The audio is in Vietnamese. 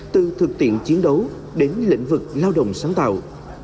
từ thực tiện chiến đấu đến lĩnh vực lao động sáng tạo